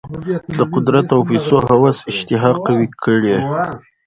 د قدرت او پیسو هوس اشتها قوي کړې.